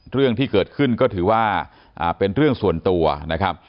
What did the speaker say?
เรื่องที่เกิดขึ้นก็ถือว่าเป็นเรื่องส่วนตัวนะครับ